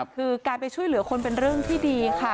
คือการไปช่วยเหลือคนเป็นเรื่องที่ดีค่ะ